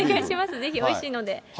ぜひおいしいので。